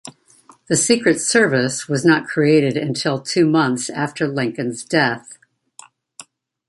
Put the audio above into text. The Secret Service was not created until two months after Lincoln's death.